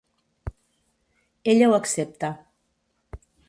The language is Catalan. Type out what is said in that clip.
Ella ho accepta.